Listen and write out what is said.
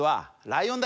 ライオン？